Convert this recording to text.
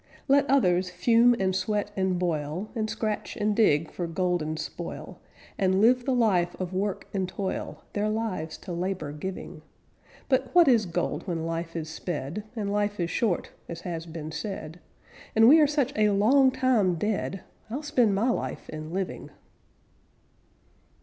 Let others fume and sweat and boil, And scratch and dig for golden spoil, And live the life of work and toil, Their lives to labor giving. But what is gold when life is sped, And life is short, as has been said, And we are such a long time dead, I'll spend my life in living.